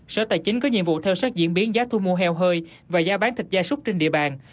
sở tài chính có nhiệm vụ theo sát diễn biến giá thu mua heo hơi và giá bán thịt gia súc trên địa bàn